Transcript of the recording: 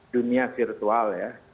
dunia virtual ya